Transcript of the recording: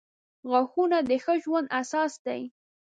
• غاښونه د ښه ژوند اساس دي.